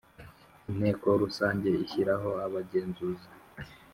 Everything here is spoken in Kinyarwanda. Inteko rusange ishyiraho abagenzuzi